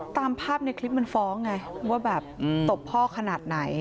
ตามภาพในคลิปมันฟ้องไงว่าแบบตบพ่อขนาดไหน